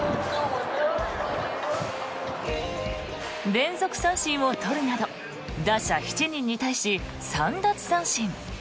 連続三振を取るなど打者７人に対し３奪三振。